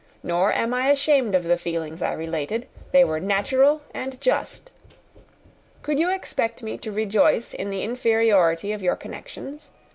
Nor am I ashamed of the feelings I related. They were natural and just. Could you expect me to rejoice in the inferiority of your connections?